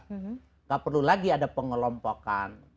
tidak perlu lagi ada pengelompokan